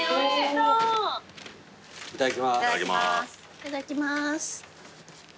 いただきます。